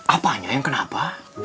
apanya yang kenapa